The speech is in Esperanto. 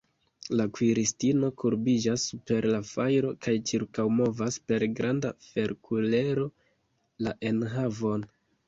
La kuiristino kurbiĝas super la fajro, kaj ĉirkaŭmovas per granda ferkulero la enhavon.